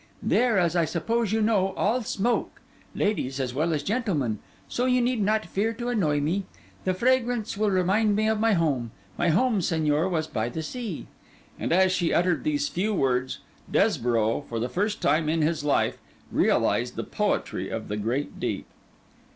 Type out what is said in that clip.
There, as I suppose you know, all smoke, ladies as well as gentlemen. So you need not fear to annoy me. The fragrance will remind me of home. My home, Señor, was by the sea.' And as she uttered these few words, Desborough, for the first time in his life, realised the poetry of the great deep.